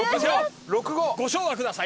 ご唱和ください。